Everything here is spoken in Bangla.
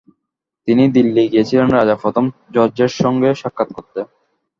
তিনি দিল্লি গিয়েছিলেন রাজা পঞ্চম জর্জের সঙ্গে সাক্ষাৎ করতে।